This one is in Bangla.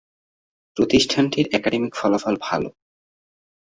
প্রতিষ্ঠানটির একাডেমিক ফলাফল ভালো।